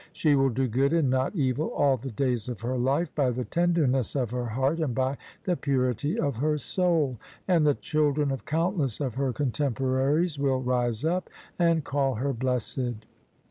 She will do good and not evil all the days of her life, by the tenderness of her heart and by the purity of her soul : and the children of countless of her contemporaries will rise up and called her blessed.